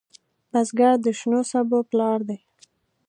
بزګر د شنو سبو پلار دی